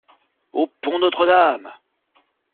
Au pont Notre-Dame!